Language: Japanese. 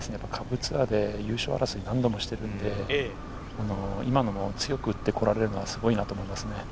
下部ツアーで優勝争いを何度もしているので、今のも強く打ってこられるのがすごいなと思います。